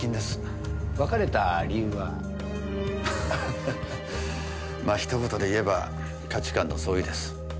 ハハまあ一言で言えば価値観の相違です。